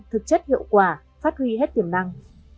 thực chất hiệu quả phát huy hết tiềm năng